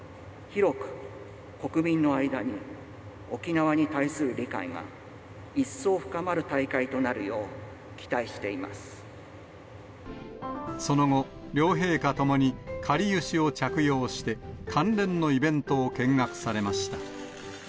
広く国民の間に沖縄に対する理解が一層深まる大会となるようその後、両陛下ともにかりゆしを着用して、関連のイベントを見学されました。